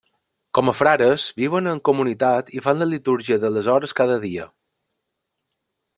Com a frares, viuen en comunitat i fan la litúrgia de les hores cada dia.